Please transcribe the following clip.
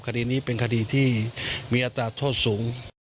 คดีนี้เป็นคดีที่มีอัตราโทษสูง